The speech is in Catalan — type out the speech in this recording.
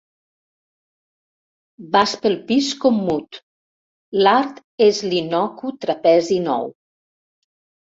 Vas pel pis com mut: l'art és l'innocu trapezi nou».